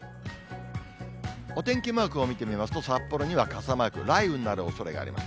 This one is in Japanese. お天気マークを見てみますと、札幌には傘マーク、雷雨になるおそれがあります。